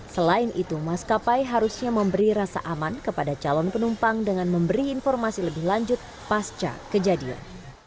selain itu maskapai harusnya memberi rasa aman kepada calon penumpang dengan memberi informasi lebih lanjut pasca kejadian